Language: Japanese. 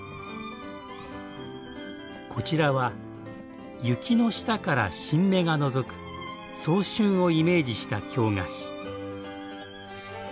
こちらは雪の下から新芽がのぞく早春をイメージした京菓子。